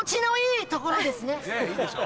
ねぇいいでしょ？